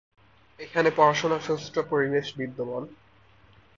এখানে পড়াশুনার সুষ্ঠু পরিবেশ বিদ্যমান।